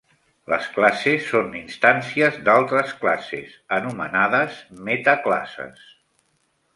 Les classes són instàncies d'altres classes, anomenades metaclasses.